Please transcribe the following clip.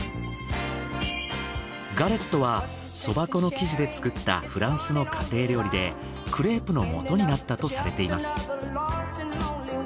ガレットは蕎麦粉の生地で作ったフランスの家庭料理でクレープのもとになったとされています。